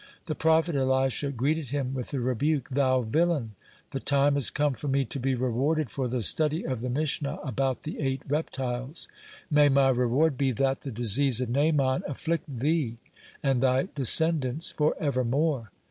The prophet Elisha greeted him with the rebuke: "Thou villain! the time has come for me to be rewarded for the study of the Mishnah about the eight reptiles. May my reward be that the disease of Naaman afflict thee and thy descendants for evermore."